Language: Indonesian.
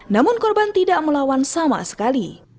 namun korban tidak melawan sama sekali